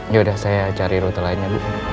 yaudah saya cari rute lainnya